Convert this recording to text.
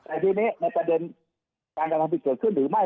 แต่ทีนี้ในประเด็นการกำลังจะเกิดขึ้นหรือไม่